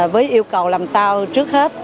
với yêu cầu làm sao trước hết